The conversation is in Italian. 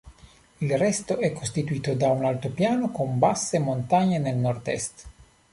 Il resto è costituito da un altopiano con basse montagne nel nord-est.